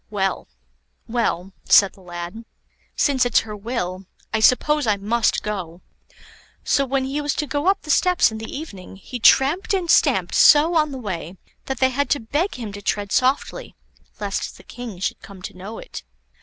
"Well, well," said the lad, "since it's her will, I suppose I must go." So, when he was to go up the steps in the evening, he tramped and stamped so on the way, that they had to beg him to tread softly lest the King should come to know it.